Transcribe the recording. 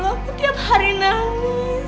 aku tiap hari nangis